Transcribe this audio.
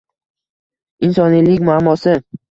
Insoniylik muammosi